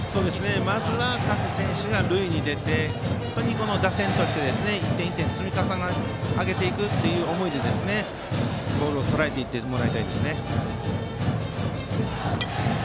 まずは各選手が塁に出て打線として１点１点積み重ね上げていくという思いでボールをとらえてもらいたいです。